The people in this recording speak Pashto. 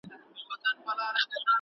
آس خپله وېره په جرئت بدله کړه.